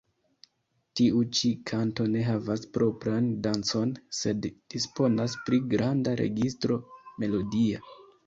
Tiu ĉi kanto ne havas propran dancon, sed disponas pri granda registro melodia.